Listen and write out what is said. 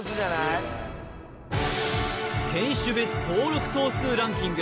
種別登録頭数ランキング